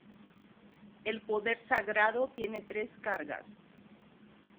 El poder sagrado tiene tres cargas.